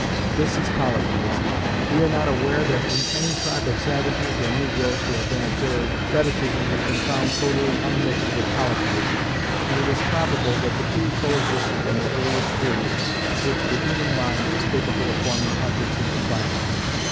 This is Polytheism. We are not aware that in any tribe of savages or negroes who have been observed, Fetichism has been found totally unmixed with Polytheism, and it is probable that the two coexisted from the earliest period at which the human mind was capable of forming objects into classes.